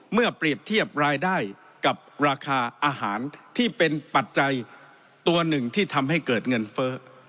เปรียบเทียบรายได้กับราคาอาหารที่เป็นปัจจัยตัวหนึ่งที่ทำให้เกิดเงินเฟ้อ